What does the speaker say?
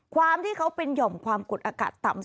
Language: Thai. ความที่เขาเป็นหย่อมความกดอากาศต่ำ